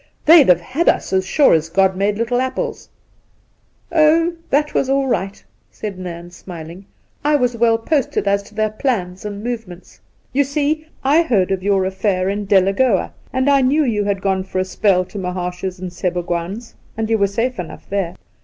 ' They'd have had us, as sure as God made little apples !' *0h, that was all right,' said Nairn, smiling. ' I was well posted as to their plans and move ments. You see, I heard of your affair in Delagoa, and I knew you had gone for a spell to Mahaash's and Sebougwaan's, and you were safe enough there.